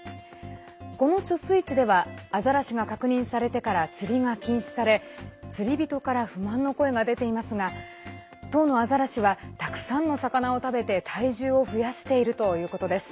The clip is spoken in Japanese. この貯水池ではアザラシが確認されてから釣りが禁止され、釣り人から不満の声が出ていますが当のアザラシはたくさんの魚を食べて、体重を増やしているということです。